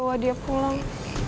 bawa dia pulang